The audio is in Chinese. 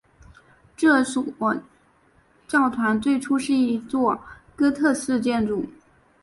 这座教堂最初是一座哥特式建筑。